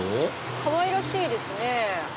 かわいらしいですね。